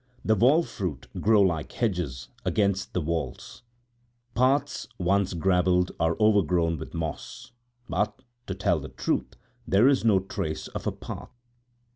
The wall fruit grows like hedges against the walls. Paths once graveled are overgrown with moss, but, to tell the truth, there is no trace of a path.